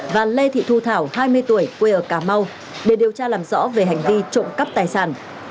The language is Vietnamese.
và lê thị thu thảo hai mươi tuổi quê ở cà mau để điều tra làm rõ về hành vi trộm cắp tài sản